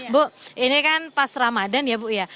bu ini kan pas ramadhan ya bu ya